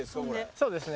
そうですね。